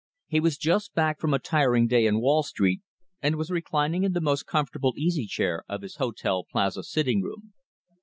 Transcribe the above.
He was just back from a tiring day in Wall Street, and was reclining in the most comfortable easy chair of his Hotel Plaza sitting room.